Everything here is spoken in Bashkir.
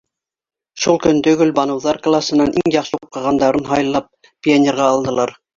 Шул көндө Гөл- баныуҙар класынан иң яҡшы уҡығандарын һайлап пионерға алдылар.